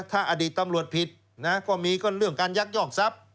ถ้าอดีตตำรวจผิดนะก็มีก็เรื่องการยักยอกทรัพย์